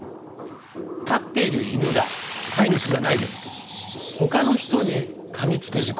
飼っている犬が、飼い主ではないです、ほかの人にかみつく事故。